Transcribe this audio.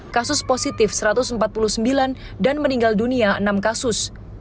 kasus positif satu ratus empat puluh sembilan dan meninggal dunia enam kasus